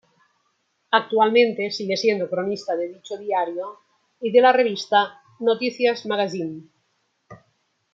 Actualmente sigue siendo cronista de dicho diario y de la revista "Notícias Magazine".